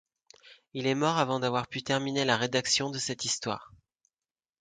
Il est mort avant d'avoir pu terminer la rédaction de cette histoire.